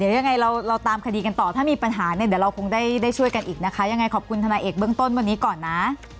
เดี๋ยวยังไงเราตามคดีกันต่อถ้ามีปัญหาเนี่ยเดี๋ยวเราคงได้ช่วยกันอีกนะคะยังไงขอบคุณทนายเอกเบื้องต้นวันนี้ก่อนนะ